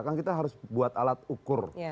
kan kita harus buat alat ukur